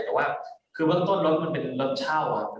แต่ว่าคือเบื้องต้นรถมันเป็นรถเช่าครับ